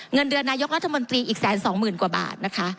เงินเดือนนายกรัฐมนตรีอีกแสนสองหมื่นกว่าบาทนะคะ